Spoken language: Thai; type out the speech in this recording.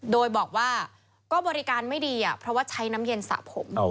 โดยบอกว่าก็บริการไม่ดีเพราะว่าใช้น้ำเย็นสระผม